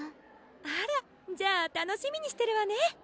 あらじゃあ楽しみにしてるわね